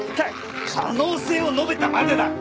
可能性を述べたまでだ！